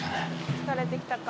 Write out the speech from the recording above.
疲れてきたか。